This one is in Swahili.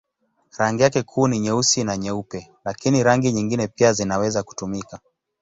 Rangi yake kuu ni nyeusi na nyeupe, lakini rangi nyingine pia zinaweza kutumika.